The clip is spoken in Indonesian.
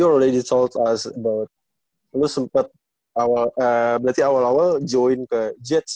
oke oke james lo udah bilang ke kita lo sempat awal awal join ke jets ya